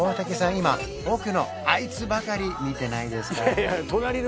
今奥のあいつばかり見てないですか？